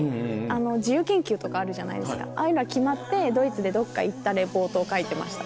自由研究とかあるじゃないですかああいうのは決まってドイツでどっか行ったリポートを書いてました。